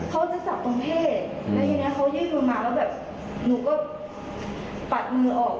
แล้วทีนี้เขายื่นมือมาแล้วหนูก็ปัดมือออก